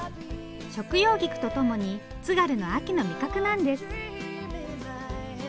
食用菊とともに津軽の秋の味覚なんです。